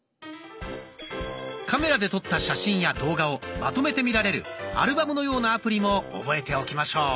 カメラで撮った写真や動画をまとめて見られるアルバムのようなアプリも覚えておきましょう。